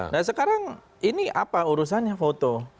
nah sekarang ini apa urusannya foto